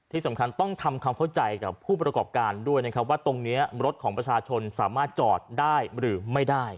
ที่สำคัญต้องทำความเข้าใจกับผู้ประกอบการด้วยนะครับว่าตรงนี้รถของประชาชนสามารถจอดได้หรือไม่ได้